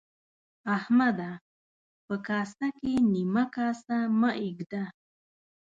احمده! په کاسه کې نيمه کاسه مه اېږده.